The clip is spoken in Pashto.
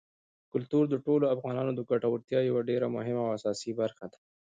کلتور د ټولو افغانانو د ګټورتیا یوه ډېره مهمه او اساسي برخه ده.